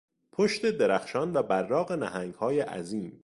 پشت درخشان و براق نهنگهای عظیم